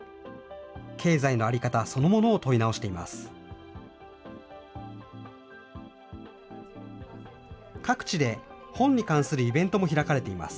経済の在り方そのものを問い直しています。